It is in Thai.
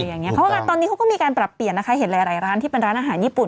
เพราะว่าตอนนี้เขาก็มีการปรับเปลี่ยนนะคะเห็นหลายร้านที่เป็นร้านอาหารญี่ปุ่น